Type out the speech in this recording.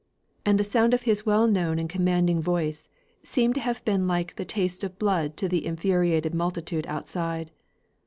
And the sound of his well known and commanding voice, seemed to have been like the taste of blood to the infuriated multitude outside.